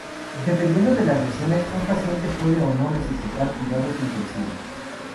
Dependiendo de las lesiones, un paciente puede o no necesitar de cuidados intensivos.